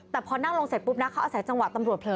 แต่พอนั่งลงเสร็จปุ๊บนะเขาอาศัยจังหวะตำรวจเผลอ